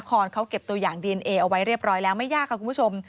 โปรดติดตามต่างกรรมโปรดติดตามต่างกรรม